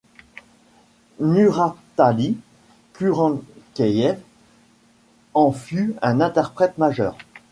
Muratali Kurenkeyev en fut un interprète majeur.